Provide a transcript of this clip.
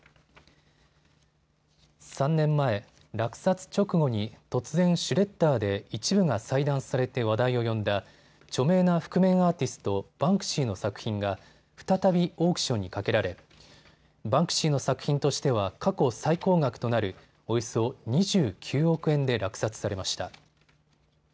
３年前、落札直後に突然、シュレッダーで一部が細断されて話題を呼んだ著名な覆面アーティスト、バンクシーの作品が再びオークションにかけられ、バンクシーの作品としては過去最高額となるおよそ２９億円で落札されました。